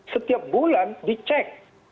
setiap bulan dicek